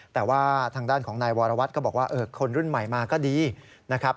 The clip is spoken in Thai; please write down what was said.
แต่ว่าทางด้านของนายวรวัตรก็บอกว่าคนรุ่นใหม่มาก็ดีนะครับ